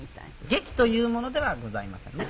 劇というものではございませんね